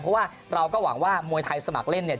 เพราะว่าเราก็หวังว่ามวยไทยสมัครเล่นเนี่ย